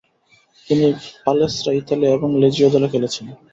তিনি Palestra Italia এবং Lazio দলে খেলেছেন।